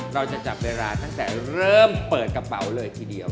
เราจะจับเวลาตั้งแต่เริ่มเปิดกระเป๋าเลยทีเดียว